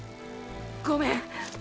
ごめん。